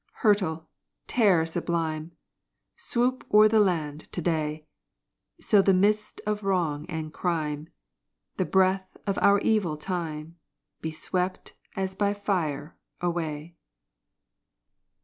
Hurtle, Terror sublime! Swoop o'er the Land to day So the mist of wrong and crime, The breath of our Evil Time Be swept, as by fire, away!